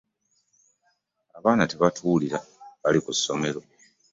Abaana tebatuwulira, bali ku ssomero.